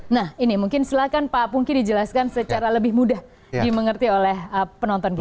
nah ini mungkin silahkan pak pungki dijelaskan secara lebih mudah dimengerti oleh penonton kita